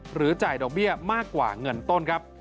จ่ายดอกเบี้ยมากกว่าเงินต้นครับ